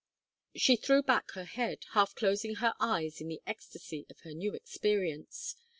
She threw back her head, half closing her eyes in the ecstasy of her new experience.